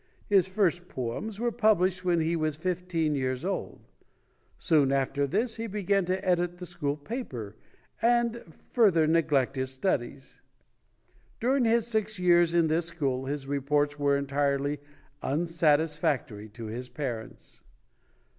His first poems were published when he was fif teen years old. Soon after this, he began to edit the school paper and further neglect his studies. During his six years in this school, his reports were entirely unsatisfactory to his parents.